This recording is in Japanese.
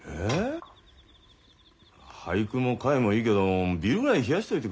俳句の会もいいけどビールぐらい冷やしといてくれよ。